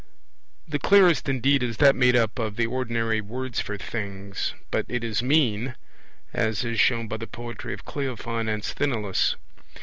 The clearest indeed is that made up of the ordinary words for things, but it is mean, as is shown by the poetry of Cleophon and Sthenelus.